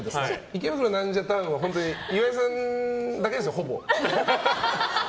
池袋ナンジャタウンは岩井さんだけですよ、ほぼ。